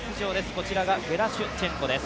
こちらがゲラシュチェンコです。